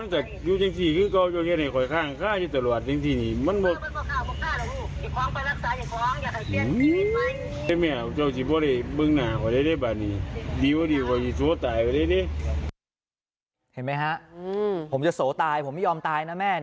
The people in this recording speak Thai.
เห็นไหมฮะผมจะโสตายผมไม่ยอมตายนะแม่